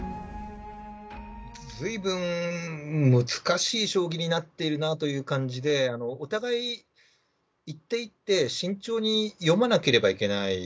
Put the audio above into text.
ずいぶん難しい将棋になっているなという感じで、お互い、一手一手、慎重に読まなければいけない。